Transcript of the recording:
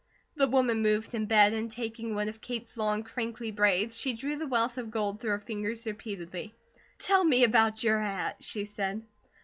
The woman moved in bed, and taking one of Kate's long, crinkly braids, she drew the wealth of gold through her fingers repeatedly. "Tell me about your hat," she said.